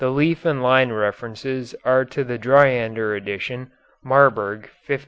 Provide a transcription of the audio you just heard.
The leaf and line references are to the Dryander edition, Marburg, 1541.)